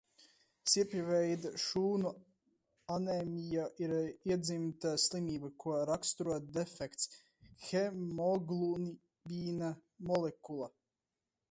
Sirpjveida šūnu anēmija ir iedzimta slimība, ko raksturo defekts hemoglobīna molekulā.